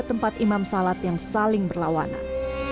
tempat imam salat yang saling berlawanan